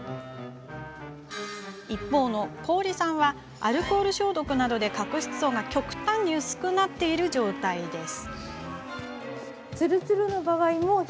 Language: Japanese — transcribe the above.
一方、氷さんはアルコール消毒などで角質層が極端に薄くなっている状態です。